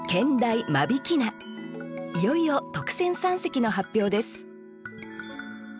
いよいよ特選三席の発表です